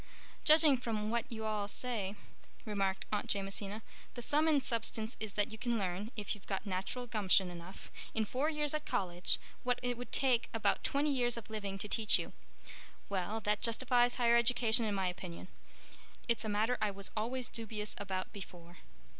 "Judging from what you all, say" remarked Aunt Jamesina, "the sum and substance is that you can learn—if you've got natural gumption enough—in four years at college what it would take about twenty years of living to teach you. Well, that justifies higher education in my opinion. It's a matter I was always dubious about before."